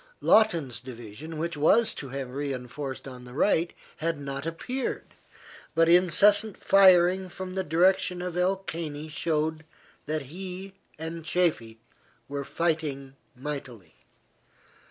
Lawton's division, which was to have re enforced on the right, had not appeared, but incessant firing from the direction of El Caney showed that he and Chaffee were fighting mightily.